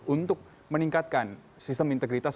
untuk meningkatkan sistem integritas